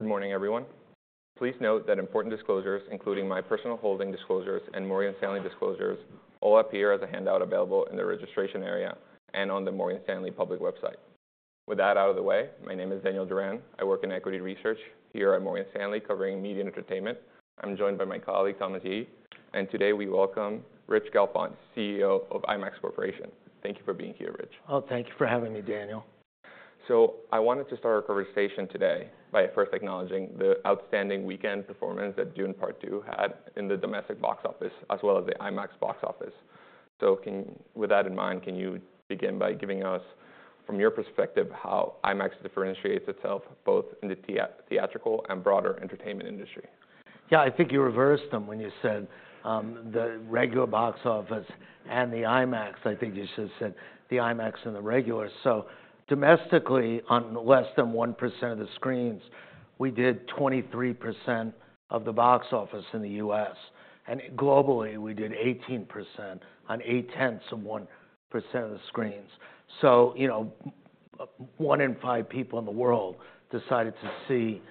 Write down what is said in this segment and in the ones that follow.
Good morning, everyone. Please note that important disclosures, including my personal holding disclosures and Morgan Stanley disclosures, all appear as a handout available in the registration area and on the Morgan Stanley public website. With that out of the way, my name is Daniel Duran. I work in Equity Research here at Morgan Stanley covering Media and Entertainment. I'm joined by my colleague Thomas Yeh, and today we welcome Rich Gelfond, CEO of IMAX Corporation. Thank you for being here, Rich. Oh, thank you for having me, Daniel. I wanted to start our conversation today by first acknowledging the outstanding weekend performance that Dune: Part Two had in the domestic box office as well as the IMAX box office. With that in mind, can you begin by giving us, from your perspective, how IMAX differentiates itself both in the theatrical and broader entertainment industry? Yeah, I think you reversed them when you said, the regular box office and the IMAX. I think you should have said the IMAX and the regular. So domestically, on less than 1% of the screens, we did 23% of the box office in the U.S., and globally we did 18% on 0.8% of the screens. So, you know, one in five people in the world decided to see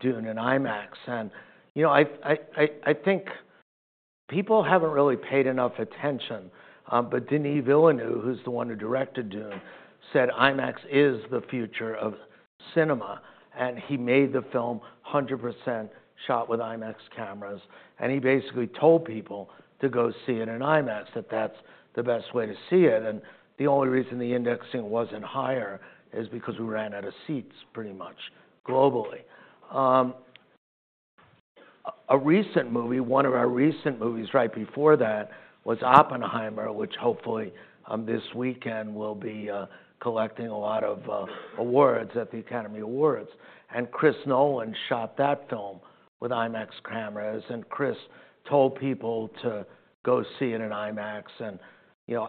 Dune in IMAX. And, you know, I think people haven't really paid enough attention, but Denis Villeneuve, who's the one who directed Dune, said IMAX is the future of cinema, and he made the film 100% shot with IMAX cameras. And he basically told people to go see it in IMAX, that that's the best way to see it. And the only reason the indexing wasn't higher is because we ran out of seats, pretty much, globally. A recent movie, one of our recent movies right before that, was Oppenheimer, which hopefully this weekend will be collecting a lot of awards at the Academy Awards. Chris Nolan shot that film with IMAX cameras, and Chris told people to go see it in IMAX. And, you know,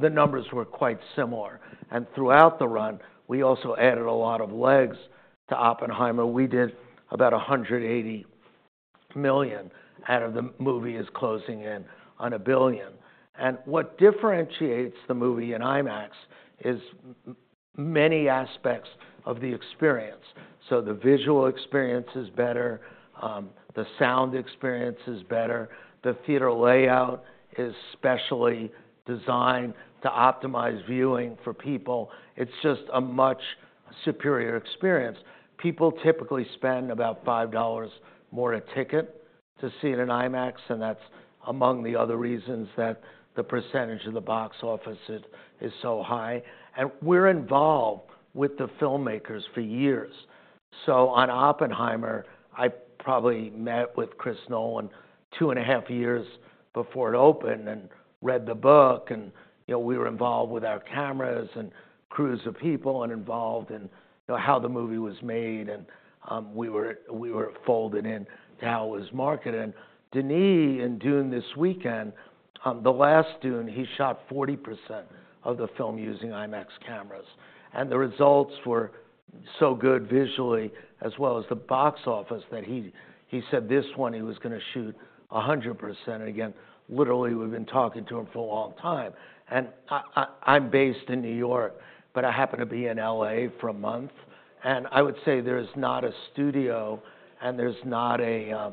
the numbers were quite similar. And throughout the run, we also added a lot of legs to Oppenheimer. We did about $180 million out of the movie is closing in on $1 billion. And what differentiates the movie in IMAX is many aspects of the experience. So the visual experience is better, the sound experience is better, the theater layout is specially designed to optimize viewing for people. It's just a much superior experience. People typically spend about $5 more a ticket to see it in IMAX, and that's among the other reasons that the percentage of the box office is so high. We're involved with the filmmakers for years. On Oppenheimer, I probably met with Chris Nolan two and a half years before it opened and read the book. You know, we were involved with our cameras and crews of people and involved in, you know, how the movie was made, and we were folded into how it was marketed. Denis, in Dune this weekend, the last Dune, he shot 40% of the film using IMAX cameras. The results were so good visually as well as the box office that he said this one he was going to shoot 100%. Again, literally we've been talking to him for a long time. I'm based in New York, but I happen to be in L.A. for a month. I would say there is not a studio and there's not a,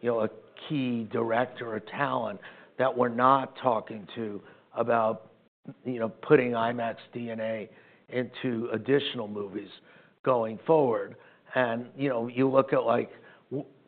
you know, a key director or talent that we're not talking to about, you know, putting IMAX DNA into additional movies going forward. You know, you look at, like,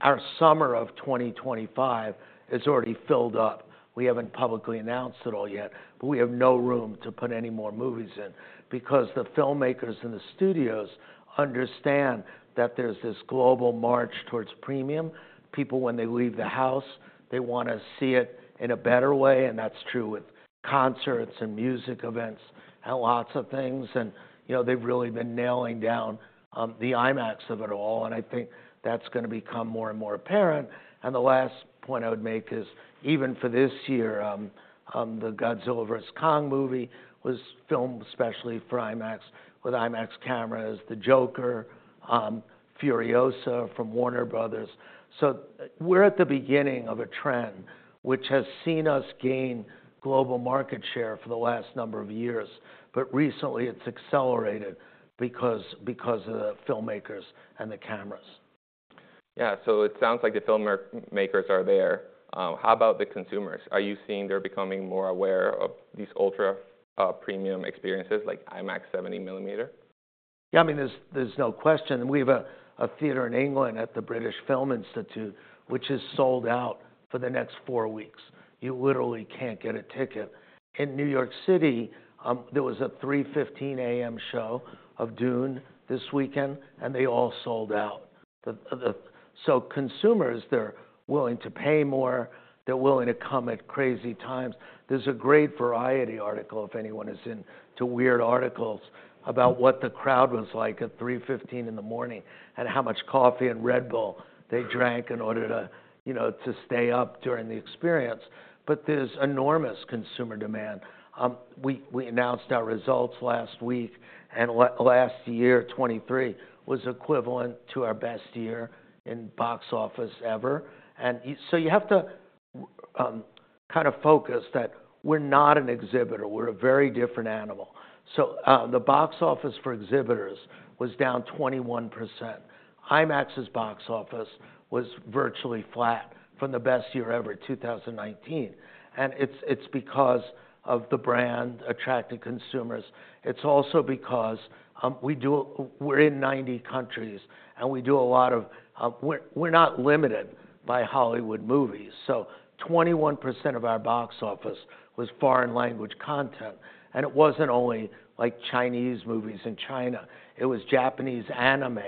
our summer of 2025 is already filled up. We haven't publicly announced it all yet, but we have no room to put any more movies in because the filmmakers in the studios understand that there's this global march towards premium. People, when they leave the house, they want to see it in a better way. That's true with concerts and music events and lots of things. You know, they've really been nailing down, the IMAX of it all. I think that's going to become more and more apparent. The last point I would make is even for this year, the Godzilla vs. Kong movie was filmed specially for IMAX with IMAX cameras, The Joker, Furiosa from Warner Bros. We're at the beginning of a trend which has seen us gain global market share for the last number of years, but recently it's accelerated because of the filmmakers and the cameras. Yeah, so it sounds like the filmmakers are there. How about the consumers? Are you seeing they're becoming more aware of these ultra, premium experiences, like IMAX 70 mm? Yeah, I mean, there's no question. We have a theater in England at the British Film Institute, which is sold out for the next four weeks. You literally can't get a ticket. In New York City, there was a 3:15 A.M. show of Dune this weekend, and they all sold out. So consumers, they're willing to pay more. They're willing to come at crazy times. There's a great Variety article, if anyone is into weird articles, about what the crowd was like at 3:15 in the morning and how much coffee and Red Bull they drank in order to, you know, to stay up during the experience. But there's enormous consumer demand. We announced our results last week, and last year, 2023, was equivalent to our best year in box office ever. And so you have to, kind of focus that we're not an exhibitor. We're a very different animal. So, the box office for exhibitors was down 21%. IMAX's box office was virtually flat from the best year ever, 2019. And it's because of the brand attracting consumers. It's also because we're in 90 countries, and we're not limited by Hollywood movies. So 21% of our box office was foreign language content. And it wasn't only, like, Chinese movies in China. It was Japanese anime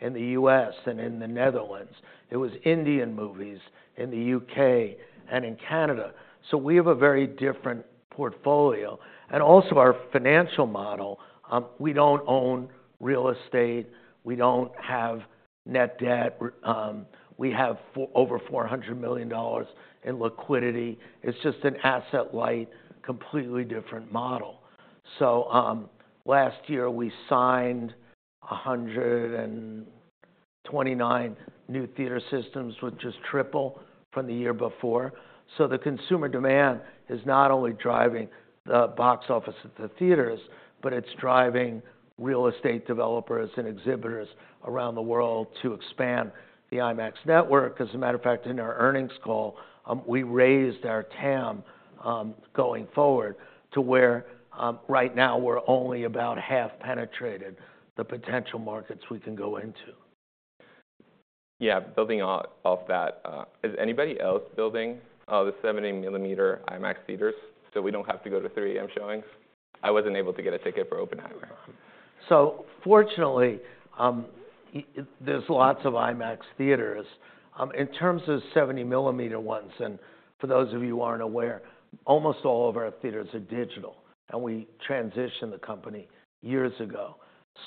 in the U.S. and in the Netherlands. It was Indian movies in the U.K. and in Canada. So we have a very different portfolio. And also our financial model, we don't own real estate. We don't have net debt. We have over $400 million in liquidity. It's just an asset-light, completely different model. So, last year we signed 129 new theater systems, which is triple from the year before. So the consumer demand is not only driving the box office at the theaters, but it's driving real estate developers and exhibitors around the world to expand the IMAX network. As a matter of fact, in our earnings call, we raised our TAM, going forward to where, right now we're only about half penetrated the potential markets we can go into. Yeah, building off that, is anybody else building, the 70 mm IMAX theaters so we don't have to go to 3:00 A.M. showings? I wasn't able to get a ticket for Oppenheimer. So fortunately, there's lots of IMAX theaters. In terms of 70mm ones, and for those of you who aren't aware, almost all of our theaters are digital, and we transitioned the company years ago.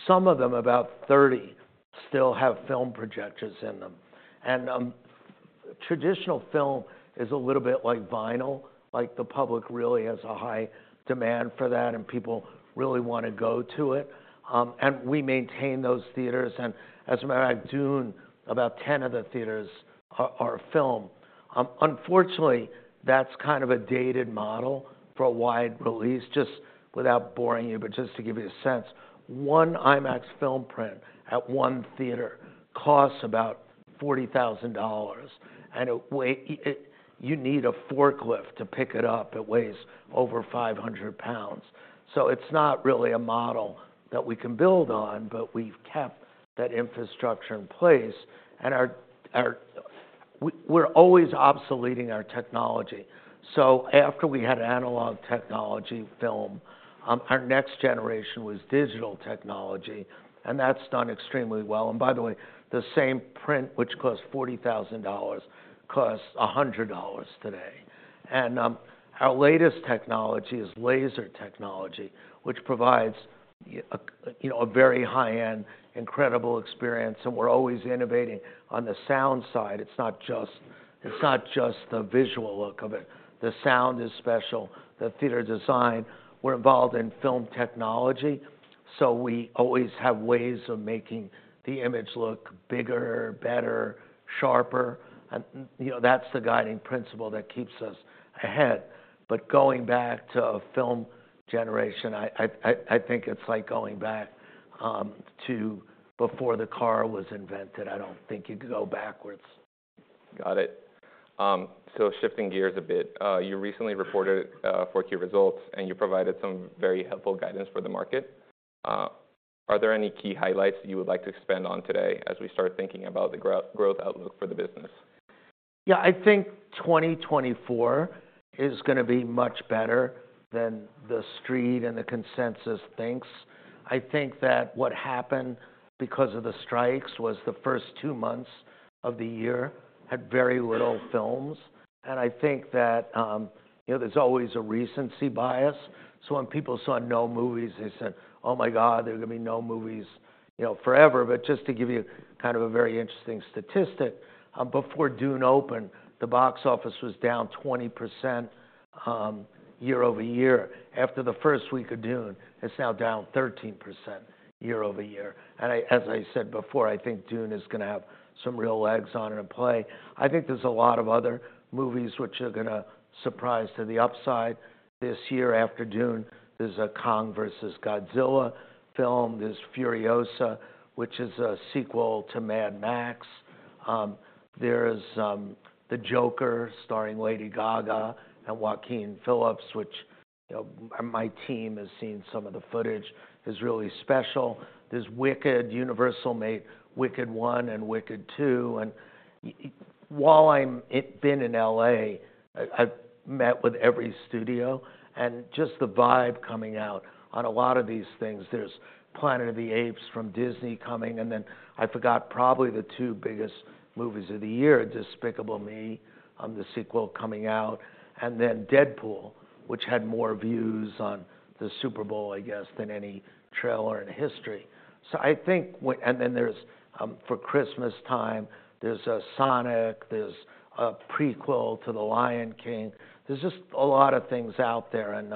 Some of them, about 30, still have film projectors in them. Traditional film is a little bit like vinyl. Like, the public really has a high demand for that, and people really want to go to it, and we maintain those theaters. And as a matter of fact, Dune, about 10 of the theaters are film. Unfortunately, that's kind of a dated model for a wide release. Just without boring you, but just to give you a sense, 1 IMAX film print at 1 theater costs about $40,000, and it weighs, you need a forklift to pick it up. It weighs over 500 lbs. So it's not really a model that we can build on, but we've kept that infrastructure in place. And we're always obsoleting our technology. So after we had analog technology film, our next generation was digital technology, and that's done extremely well. And, by the way, the same print, which costs $40,000, costs $100 today. And, our latest technology is laser technology, which provides, you know, a very high-end, incredible experience. And we're always innovating on the sound side. It's not just it's not just the visual look of it. The sound is special. The theater design. We're involved in film technology, so we always have ways of making the image look bigger, better, sharper. And, you know, that's the guiding principle that keeps us ahead. But going back to a film generation, I think it's like going back to before the car was invented. I don't think you could go backwards. Got it. So shifting gears a bit, you recently reported 4Q results, and you provided some very helpful guidance for the market. Are there any key highlights that you would like to expand on today as we start thinking about the growth outlook for the business? Yeah, I think 2024 is going to be much better than the street and the consensus thinks. I think that what happened because of the strikes was the first two months of the year had very little films. I think that, you know, there's always a recency bias. So when people saw no movies, they said, "Oh my God, there are going to be no movies, you know, forever." But just to give you kind of a very interesting statistic, before Dune opened, the box office was down 20% year-over-year. After the first week of Dune, it's now down 13% year-over-year. And as I said before, I think Dune is going to have some real legs on it and play. I think there's a lot of other movies which are going to surprise to the upside. This year after Dune, there's a Kong vs. Godzilla film. There's Furiosa, which is a sequel to Mad Max. There's The Joker starring Lady Gaga and Joaquin Phoenix, which, you know, my team has seen some of the footage, is really special. There's Wicked. Universal made Wicked One and Wicked Two. While I've been in L.A., I've met with every studio. Just the vibe coming out on a lot of these things, there's Planet of the Apes from Disney coming, and then I forgot probably the two biggest movies of the year, Despicable Me, the sequel coming out, and then Deadpool, which had more views on the Super Bowl, I guess, than any trailer in history. So I think and then there's, for Christmas time, there's a Sonic. There's a prequel to The Lion King. There's just a lot of things out there. And,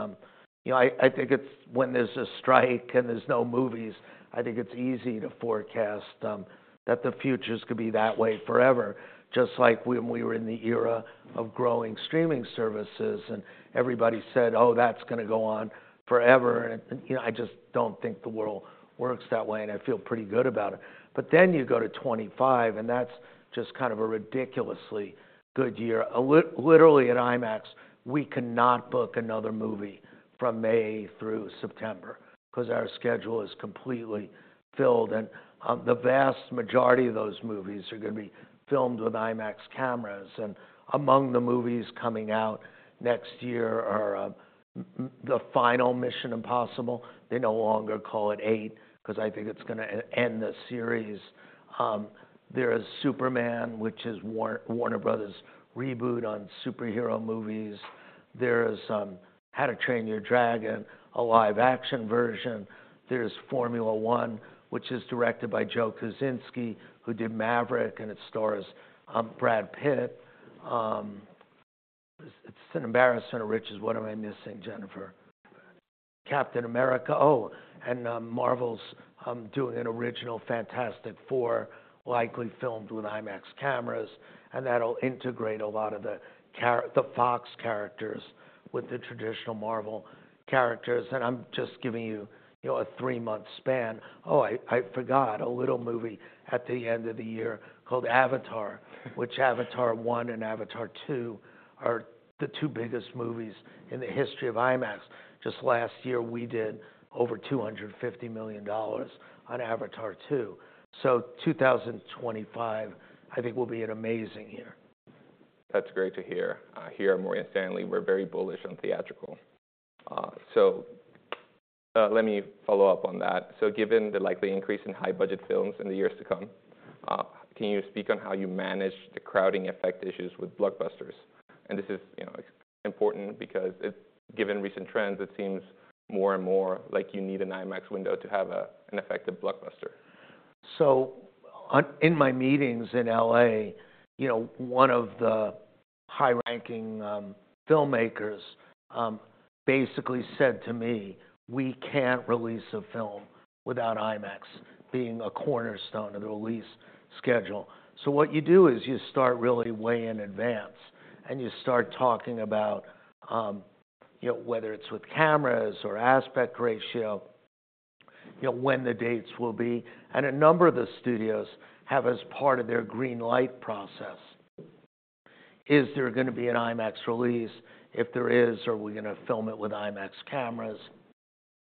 you know, I think it's when there's a strike and there's no movies, I think it's easy to forecast, that the future is going to be that way forever, just like when we were in the era of growing streaming services and everybody said, "Oh, that's going to go on forever." And, you know, I just don't think the world works that way, and I feel pretty good about it. But then you go to 2025, and that's just kind of a ridiculously good year. Literally at IMAX, we cannot book another movie from May through September because our schedule is completely filled. And, the vast majority of those movies are going to be filmed with IMAX cameras. And among the movies coming out next year are the final Mission: Impossible. They no longer call it Eight because I think it's going to end the series. There is Superman, which is Warner Bros.' reboot on superhero movies. There is How to Train Your Dragon, a live-action version. There's Formula One, which is directed by Joseph Kosinski, who did Maverick, and it stars Brad Pitt. It's an embarrassment of riches. What am I missing, Jennifer? Captain America. Oh, and Marvel's doing an original Fantastic Four, likely filmed with IMAX cameras. And that'll integrate a lot of the Fox characters with the traditional Marvel characters. And I'm just giving you, you know, a three-month span. Oh, I forgot a little movie at the end of the year called Avatar, which Avatar One and Avatar Two are the two biggest movies in the history of IMAX. Just last year we did over $250 million on Avatar Two. So 2025, I think, will be an amazing year. That's great to hear. Here at Morgan Stanley, we're very bullish on theatrical. So, let me follow up on that. So given the likely increase in high-budget films in the years to come, can you speak on how you manage the crowding effect issues with blockbusters? And this is, you know, important because, given recent trends, it seems more and more like you need an IMAX window to have an effective blockbuster. So in my meetings in L.A., you know, one of the high-ranking filmmakers basically said to me, "We can't release a film without IMAX being a cornerstone of the release schedule." So what you do is you start really way in advance, and you start talking about, you know, whether it's with cameras or aspect ratio, you know, when the dates will be. And a number of the studios have, as part of their greenlight process, is there going to be an IMAX release? If there is, are we going to film it with IMAX cameras?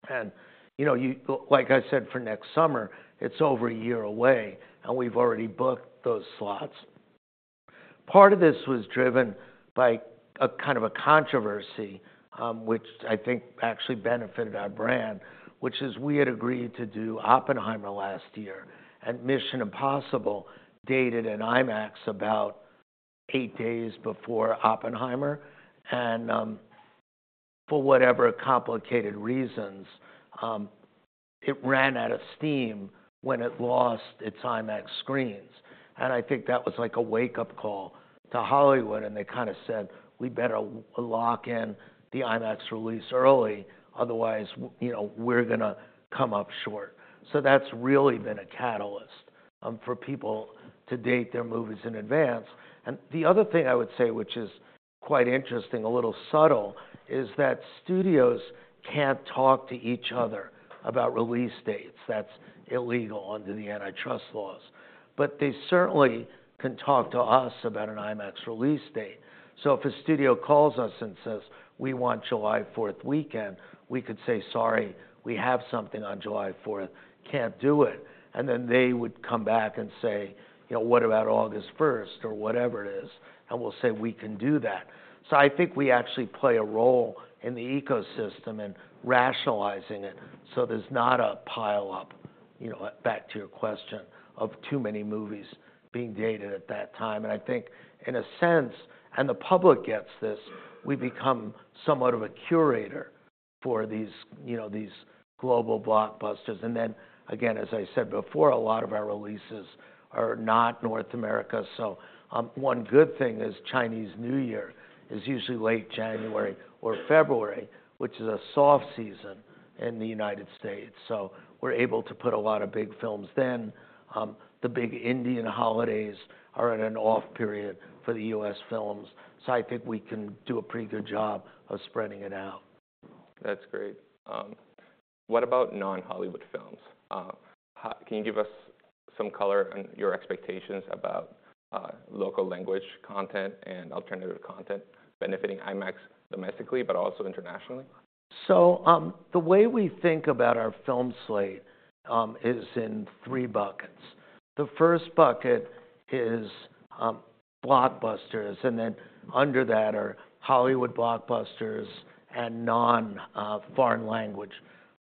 And, you know, like I said, for next summer, it's over a year away, and we've already booked those slots. Part of this was driven by a kind of a controversy, which I think actually benefited our brand, which is we had agreed to do Oppenheimer last year. Mission: Impossible dated an IMAX about 8 days before Oppenheimer. For whatever complicated reasons, it ran out of steam when it lost its IMAX screens. I think that was like a wake-up call to Hollywood, and they kind of said, "We better lock in the IMAX release early. Otherwise, you know, we're going to come up short." So that's really been a catalyst for people to date their movies in advance. The other thing I would say, which is quite interesting, a little subtle, is that studios can't talk to each other about release dates. That's illegal under the antitrust laws. But they certainly can talk to us about an IMAX release date. So if a studio calls us and says, "We want July 4th weekend," we could say, "Sorry, we have something on July 4th. Can't do it." And then they would come back and say, you know, "What about August 1st or whatever it is?" And we'll say, "We can do that." So I think we actually play a role in the ecosystem and rationalizing it so there's not a pile-up, you know, back to your question, of too many movies being dated at that time. And I think, in a sense, and the public gets this, we become somewhat of a curator for these, you know, these global blockbusters. And then, again, as I said before, a lot of our releases are not North America. So, one good thing is Chinese New Year is usually late January or February, which is a soft season in the United States. So we're able to put a lot of big films then. The big Indian holidays are in an off period for the U.S. films. I think we can do a pretty good job of spreading it out. That's great. What about non-Hollywood films? Can you give us some color on your expectations about local language content and alternative content benefiting IMAX domestically but also internationally? So, the way we think about our film slate is in three buckets. The first bucket is blockbusters. And then under that are Hollywood blockbusters and non-Hollywood foreign language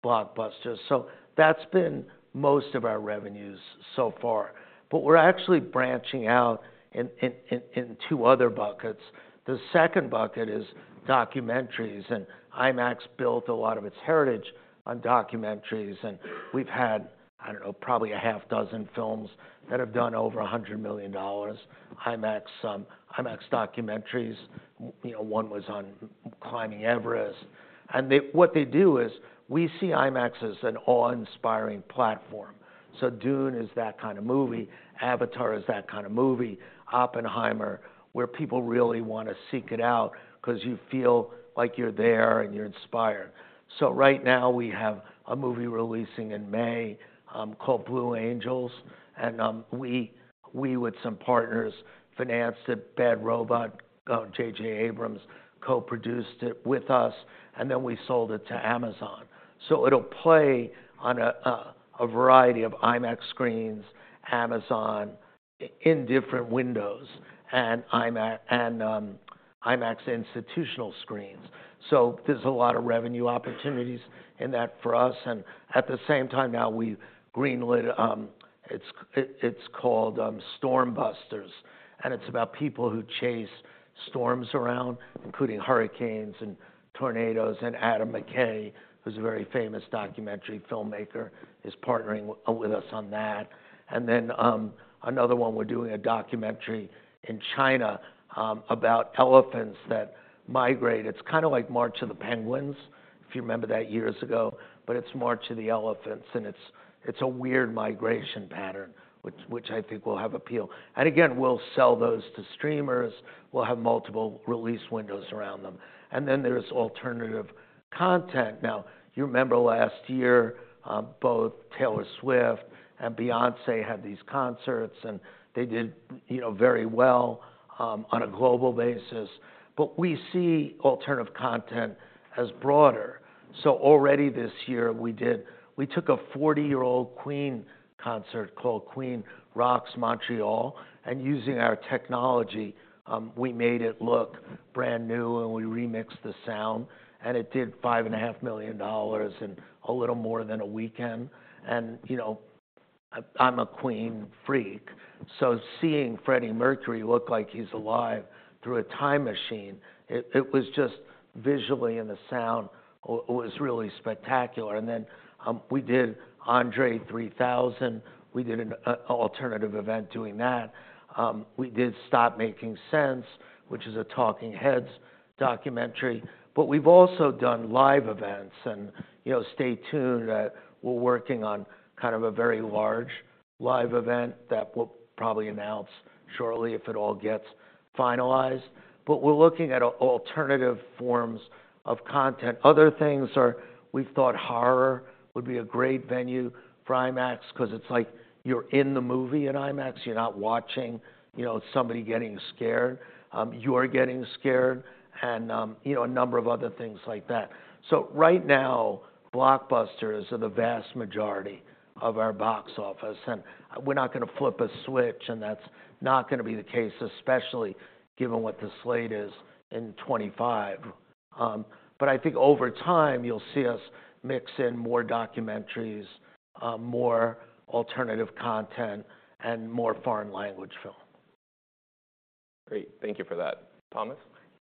blockbusters. So that's been most of our revenues so far. But we're actually branching out in two other buckets. The second bucket is documentaries. And IMAX built a lot of its heritage on documentaries. And we've had, I don't know, probably 6 films that have done over $100 million. IMAX documentaries, you know, one was on Climbing Everest. And what they do is we see IMAX as an awe-inspiring platform. So Dune is that kind of movie. Avatar is that kind of movie. Oppenheimer, where people really want to seek it out because you feel like you're there and you're inspired. So right now we have a movie releasing in May, called Blue Angels. We with some partners financed it. Bad Robot, J.J. Abrams co-produced it with us, and then we sold it to Amazon. So it'll play on a variety of IMAX screens, Amazon, in different windows, and IMAX institutional screens. So there's a lot of revenue opportunities in that for us. And at the same time now, we greenlit. It's called Stormbound. And it's about people who chase storms around, including hurricanes and tornadoes. And Adam McKay, who's a very famous documentary filmmaker, is partnering with us on that. And then, another one, we're doing a documentary in China, about elephants that migrate. It's kind of like March of the Penguins, if you remember that years ago. But it's March of the Elephants, and it's a weird migration pattern, which I think will have appeal. And again, we'll sell those to streamers. We'll have multiple release windows around them. And then there's alternative content. Now, you remember last year, both Taylor Swift and Beyoncé had these concerts, and they did, you know, very well, on a global basis. But we see alternative content as broader. So already this year, we took a 40-year-old Queen concert called Queen Rock Montreal. And using our technology, we made it look brand new, and we remixed the sound. And it did $5.5 million in a little more than a weekend. And, you know, I'm a Queen freak. So seeing Freddie Mercury look like he's alive through a time machine, it was just visually and the sound, it was really spectacular. And then, we did André 3000. We did an alternative event doing that. We did Stop Making Sense, which is a Talking Heads documentary. But we've also done live events. And, you know, stay tuned. We're working on kind of a very large live event that we'll probably announce shortly if it all gets finalized. But we're looking at alternative forms of content. Other things are, we've thought horror would be a great venue for IMAX because it's like you're in the movie at IMAX. You're not watching, you know, somebody getting scared. You are getting scared. And, you know, a number of other things like that. So right now, blockbusters are the vast majority of our box office. And we're not going to flip a switch, and that's not going to be the case, especially given what the slate is in 2025. But I think over time, you'll see us mix in more documentaries, more alternative content, and more foreign language film. Great. Thank you for that. Thomas?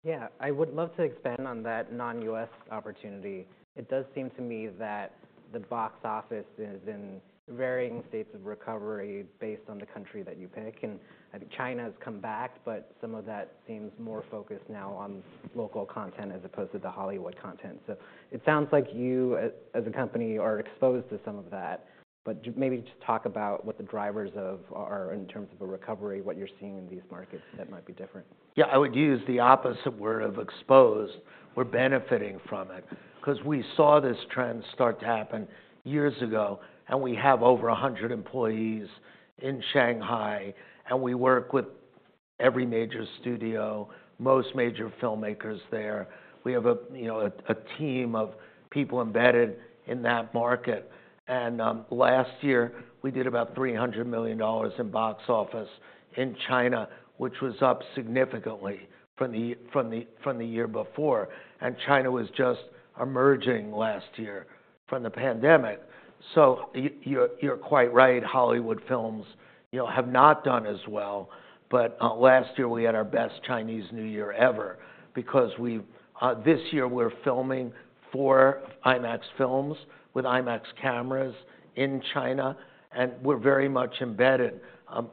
Yeah. I would love to expand on that non-U.S. opportunity. It does seem to me that the box office is in varying states of recovery based on the country that you pick. And I think China has come back, but some of that seems more focused now on local content as opposed to the Hollywood content. So it sounds like you, as a company, are exposed to some of that. But maybe just talk about what the drivers of are in terms of a recovery, what you're seeing in these markets that might be different. Yeah. I would use the opposite word of exposed. We're benefiting from it because we saw this trend start to happen years ago. We have over 100 employees in Shanghai. We work with every major studio, most major filmmakers there. We have a, you know, a team of people embedded in that market. Last year, we did about $300 million in box office in China, which was up significantly from the year before. China was just emerging last year from the pandemic. So you're quite right. Hollywood films, you know, have not done as well. But last year, we had our best Chinese New Year ever because we this year, we're filming 4 IMAX films with IMAX cameras in China. We're very much embedded.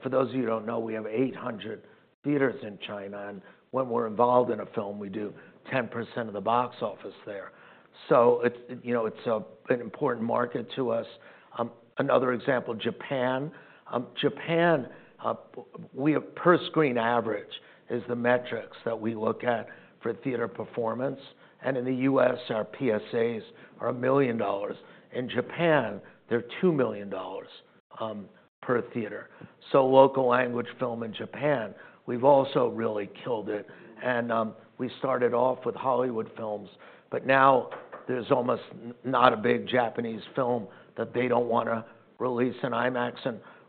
For those of you who don't know, we have 800 theaters in China. When we're involved in a film, we do 10% of the box office there. So it's, you know, it's an important market to us. Another example, Japan. Japan, we have per-screen average is the metrics that we look at for theater performance. In the U.S., our PSAs are $1 million. In Japan, they're $2 million per theater. So local language film in Japan, we've also really killed it. We started off with Hollywood films. But now there's almost not a big Japanese film that they don't want to release in IMAX.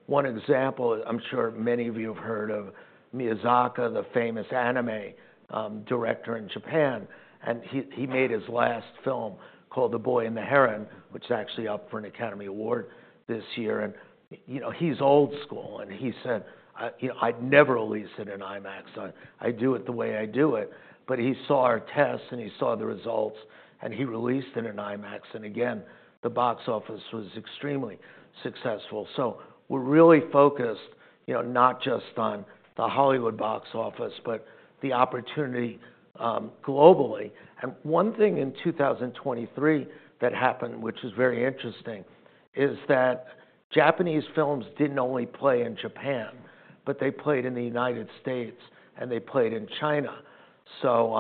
One example, I'm sure many of you have heard of Miyazaki, the famous anime director in Japan. He made his last film called The Boy and the Heron, which is actually up for an Academy Award this year. You know, he's old school. He said, you know, I'd never release it in IMAX. I do it the way I do it. But he saw our tests, and he saw the results, and he released it in IMAX. And again, the box office was extremely successful. So we're really focused, you know, not just on the Hollywood box office, but the opportunity, globally. And one thing in 2023 that happened, which was very interesting, is that Japanese films didn't only play in Japan, but they played in the United States, and they played in China. So,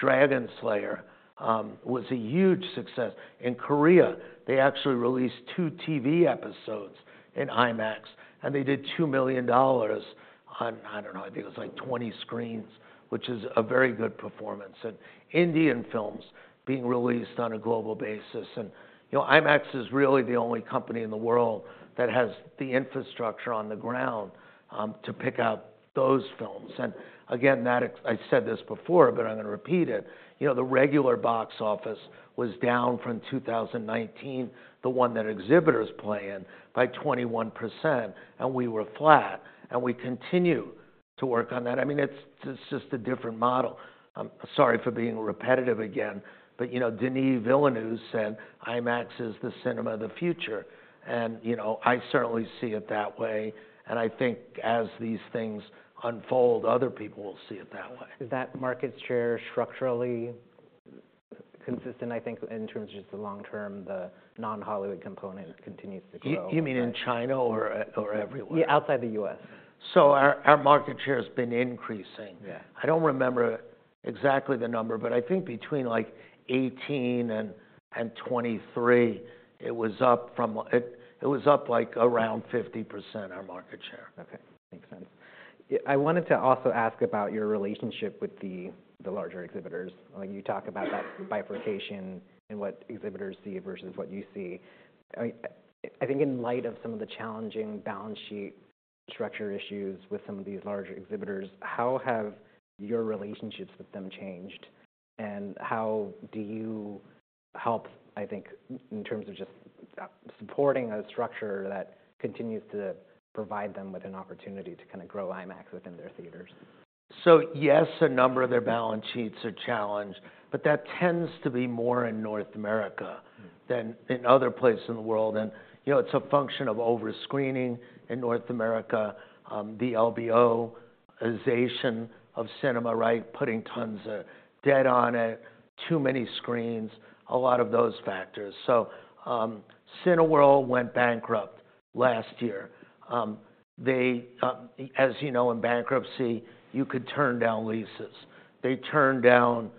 Demon Slayer was a huge success. In Korea, they actually released two TV episodes in IMAX. And they did $2 million on, I don't know, I think it was like 20 screens, which is a very good performance. And Indian films being released on a global basis. You know, IMAX is really the only company in the world that has the infrastructure on the ground to pick out those films. And again, that I said this before, but I'm going to repeat it. You know, the regular box office was down from 2019, the one that exhibitors play in, by 21%. And we were flat. And we continue to work on that. I mean, it's just a different model. I'm sorry for being repetitive again. But you know, Denis Villeneuve said, "IMAX is the cinema of the future." And you know, I certainly see it that way. And I think as these things unfold, other people will see it that way. Is that market share structurally consistent, I think, in terms of just the long-term? The non-Hollywood component continues to grow. You mean in China or everywhere? Yeah. Outside the U.S. Our market share has been increasing. I don't remember exactly the number, but I think between, like, 18 and 23, it was up like around 50%, our market share. OK. Makes sense. I wanted to also ask about your relationship with the larger exhibitors. Like, you talk about that bifurcation in what exhibitors see versus what you see. I think in light of some of the challenging balance sheet structure issues with some of these larger exhibitors, how have your relationships with them changed? And how do you help, I think, in terms of just supporting a structure that continues to provide them with an opportunity to kind of grow IMAX within their theaters? So yes, a number of their balance sheets are challenged. But that tends to be more in North America than in other places in the world. And, you know, it's a function of overscreening in North America, the LBO-ization of cinema, right, putting tons of debt on it, too many screens, a lot of those factors. So Cineworld went bankrupt last year. They, as you know, in bankruptcy, you could turn down leases. They turned down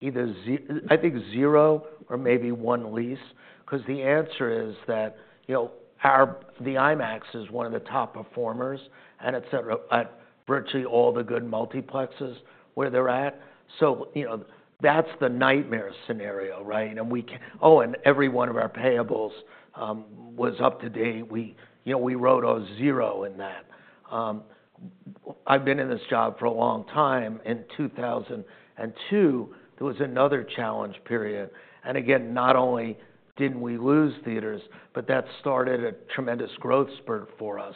either 0, I think 0, or maybe 1 lease because the answer is that, you know, our the IMAX is one of the top performers, and et cetera, at virtually all the good multiplexes where they're at. So, you know, that's the nightmare scenario, right? And every one of our payables was up to date. We, you know, we wrote a 0 in that. I've been in this job for a long time. In 2002, there was another challenge period. And again, not only didn't we lose theaters, but that started a tremendous growth spurt for us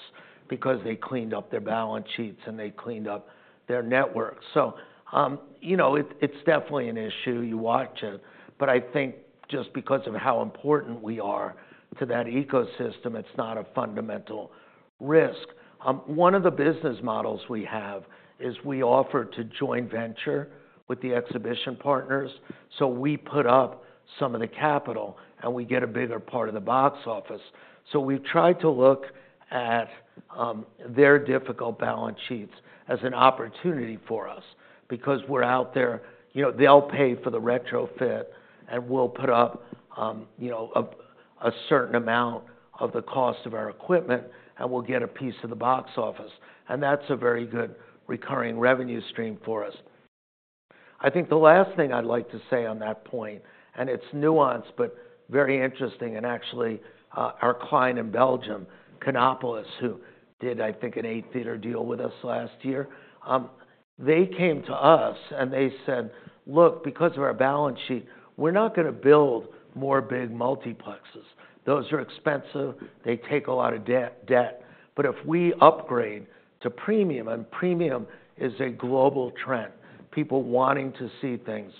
because they cleaned up their balance sheets, and they cleaned up their network. So, you know, it's definitely an issue. You watch it. But I think just because of how important we are to that ecosystem, it's not a fundamental risk. One of the business models we have is we offer to joint venture with the exhibition partners. So we put up some of the capital, and we get a bigger part of the box office. So we've tried to look at their difficult balance sheets as an opportunity for us because we're out there. You know, they'll pay for the retrofit, and we'll put up, you know, a certain amount of the cost of our equipment, and we'll get a piece of the box office. That's a very good recurring revenue stream for us. I think the last thing I'd like to say on that point, and it's nuanced but very interesting, and actually, our client in Belgium, Kinepolis, who did, I think, an 8-theater deal with us last year, they came to us, and they said, look, because of our balance sheet, we're not going to build more big multiplexes. Those are expensive. They take a lot of debt. But if we upgrade to premium and premium is a global trend, people wanting to see things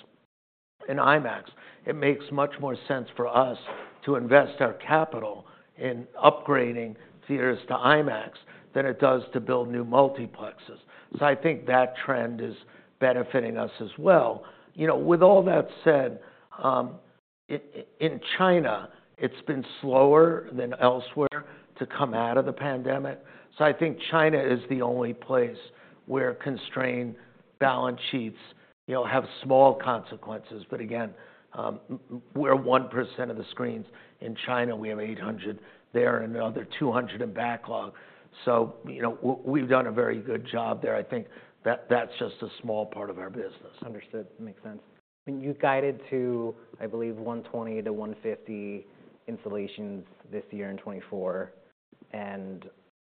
in IMAX, it makes much more sense for us to invest our capital in upgrading theaters to IMAX than it does to build new multiplexes. So I think that trend is benefiting us as well. You know, with all that said, in China, it's been slower than elsewhere to come out of the pandemic. So I think China is the only place where constrained balance sheets, you know, have small consequences. But again, we're 1% of the screens in China. We have 800 there and another 200 in backlog. So, you know, we've done a very good job there. I think that that's just a small part of our business. Understood. Makes sense. I mean, you guided to, I believe, 120 to 150 installations this year in 2024. And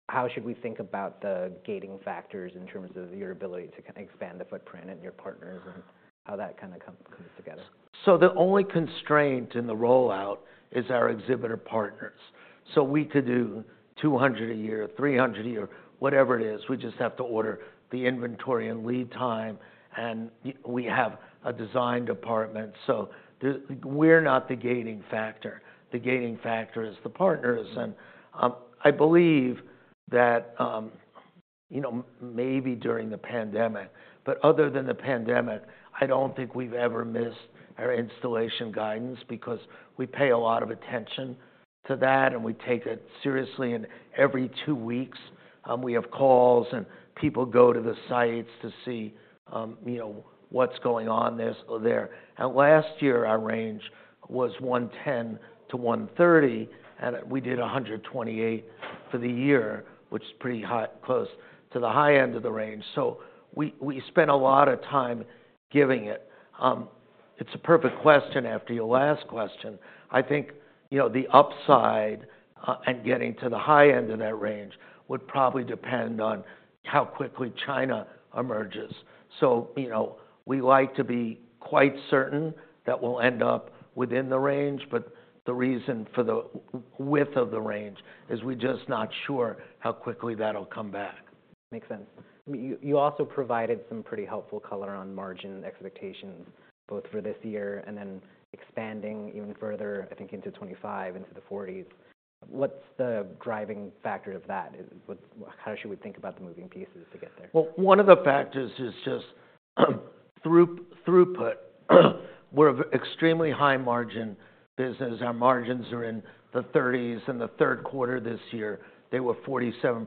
how should we think about the gating factors in terms of your ability to kind of expand the footprint and your partners and how that kind of comes together? The only constraint in the rollout is our exhibitor partners. We could do 200 a year, 300 a year, whatever it is. We just have to order the inventory and lead time. We have a design department. We're not the gating factor. The gating factor is the partners. I believe that, you know, maybe during the pandemic. But other than the pandemic, I don't think we've ever missed our installation guidance because we pay a lot of attention to that, and we take it seriously. Every two weeks, we have calls, and people go to the sites to see, you know, what's going on this or there. Last year, our range was 110-130. We did 128 for the year, which is pretty high, close to the high end of the range. We spent a lot of time giving it. It's a perfect question after your last question. I think, you know, the upside and getting to the high end of that range would probably depend on how quickly China emerges. So, you know, we like to be quite certain that we'll end up within the range. But the reason for the width of the range is we're just not sure how quickly that'll come back. Makes sense. I mean, you also provided some pretty helpful color on margin expectations, both for this year and then expanding even further, I think, into 2025, into the 40s. What's the driving factor of that? How should we think about the moving pieces to get there? Well, one of the factors is just throughput. We're an extremely high-margin business. Our margins are in the 30s. In the third quarter this year, they were 47%.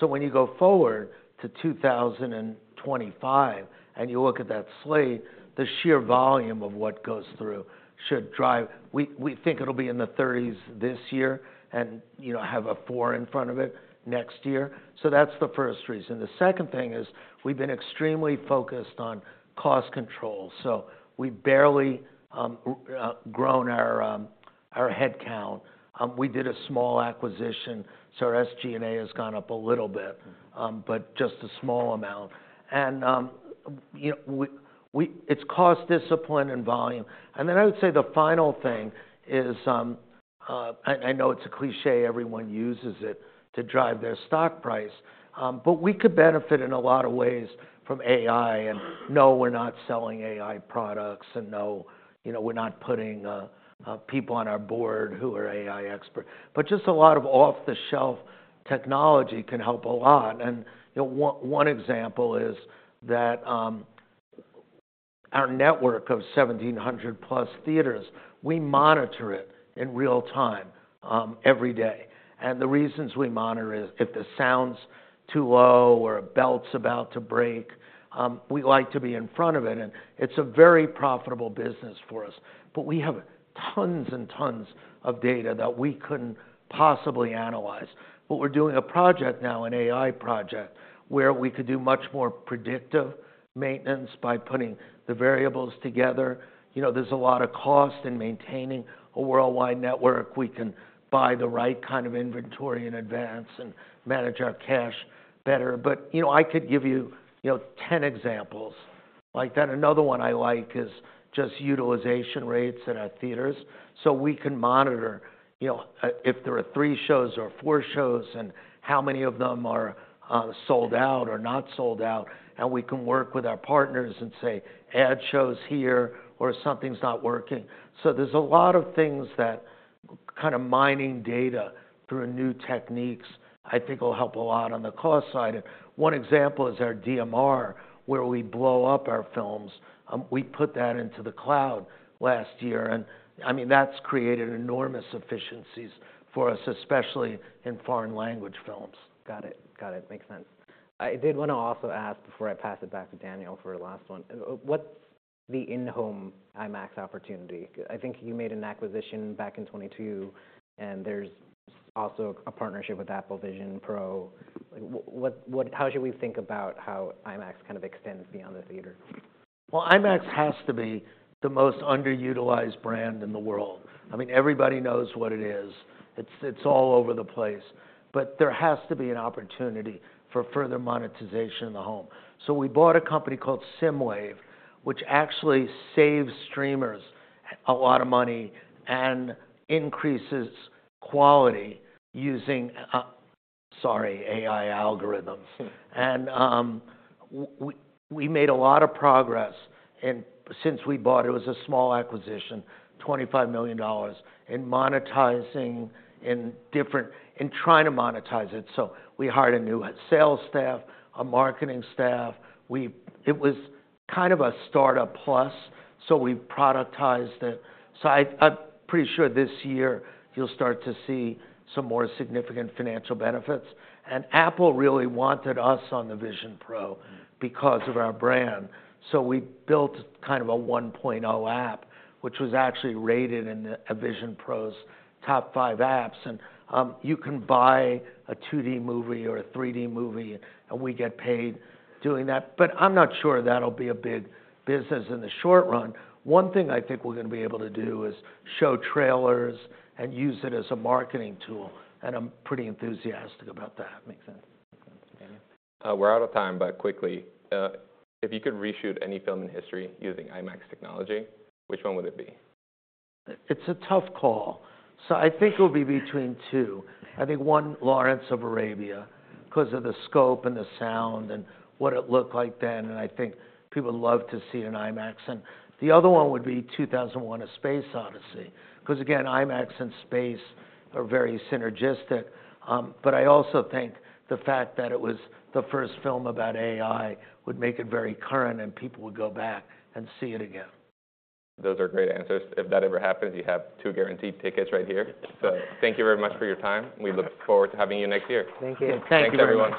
So when you go forward to 2025, and you look at that slate, the sheer volume of what goes through should drive we think it'll be in the 30s this year and, you know, have a 4 in front of it next year. So that's the first reason. The second thing is we've been extremely focused on cost control. So we've barely grown our headcount. We did a small acquisition. So our SG&A has gone up a little bit, but just a small amount. And, you know, it's cost discipline and volume. And then I would say the final thing is I know it's a cliché. Everyone uses it to drive their stock price. But we could benefit in a lot of ways from AI. And no, we're not selling AI products. And no, you know, we're not putting people on our board who are AI experts. But just a lot of off-the-shelf technology can help a lot. And, you know, one example is that our network of 1,700-plus theaters, we monitor it in real time every day. And the reasons we monitor is if the sound's too low or a belt's about to break, we like to be in front of it. And it's a very profitable business for us. But we have tons and tons of data that we couldn't possibly analyze. But we're doing a project now, an AI project, where we could do much more predictive maintenance by putting the variables together. You know, there's a lot of cost in maintaining a worldwide network. We can buy the right kind of inventory in advance and manage our cash better. But, you know, I could give you, you know, 10 examples like that. Another one I like is just utilization rates at our theaters. So we can monitor, you know, if there are three shows or four shows and how many of them are sold out or not sold out. And we can work with our partners and say, add shows here or something's not working. So there's a lot of things that kind of mining data through new techniques, I think, will help a lot on the cost side. And one example is our DMR, where we blow up our films. We put that into the cloud last year. And, I mean, that's created enormous efficiencies for us, especially in foreign language films. Got it. Got it. Makes sense. I did want to also ask before I pass it back to Daniel for the last one. What's the in-home IMAX opportunity? I think you made an acquisition back in 2022. And there's also a partnership with Apple Vision Pro. How should we think about how IMAX kind of extends beyond the theater? Well, IMAX has to be the most underutilized brand in the world. I mean, everybody knows what it is. It's all over the place. But there has to be an opportunity for further monetization in the home. So we bought a company called SSIMWAVE, which actually saves streamers a lot of money and increases quality using, sorry, AI algorithms. And we made a lot of progress since we bought it. It was a small acquisition, $25 million, in monetizing, in trying to monetize it. So we hired a new sales staff, a marketing staff. It was kind of a startup plus. So we've productized it. So I'm pretty sure this year, you'll start to see some more significant financial benefits. And Apple really wanted us on the Vision Pro because of our brand. We built kind of a 1.0 app, which was actually rated in the Vision Pro's top five apps. You can buy a 2D movie or a 3D movie, and we get paid doing that. But I'm not sure that'll be a big business in the short run. One thing I think we're going to be able to do is show trailers and use it as a marketing tool. I'm pretty enthusiastic about that. Makes sense. Daniel? We're out of time, but quickly. If you could reshoot any film in history using IMAX technology, which one would it be? It's a tough call. So I think it would be between two. I think one, Lawrence of Arabia, because of the scope and the sound and what it looked like then. I think people love to see an IMAX. The other one would be 2001: A Space Odyssey because, again, IMAX and space are very synergistic. But I also think the fact that it was the first film about AI would make it very current, and people would go back and see it again. Those are great answers. If that ever happens, you have two guaranteed tickets right here. So thank you very much for your time. We look forward to having you next year. Thank you. Thank you, everyone.